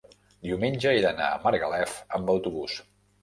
diumenge he d'anar a Margalef amb autobús.